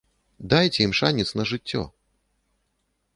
Дайце ім шанец на жыццё!